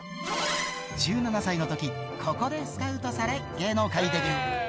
１７歳のとき、ここでスカウトされ芸能界デビュー。